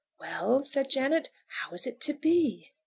"Well," said Janet, "how is it to be?"